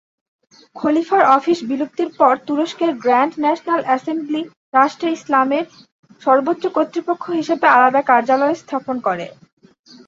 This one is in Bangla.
খলিফার অফিস বিলুপ্তির পর তুরস্কের গ্র্যান্ড ন্যাশনাল এসেম্বলি রাষ্ট্রে ইসলামের সর্বোচ্চ কর্তৃপক্ষ হিসেবে আলাদা কার্যালয় স্থাপন করে।